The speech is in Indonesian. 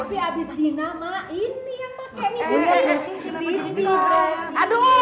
tapi abis dina mak ini yang pake